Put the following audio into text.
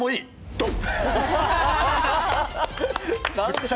ドン！」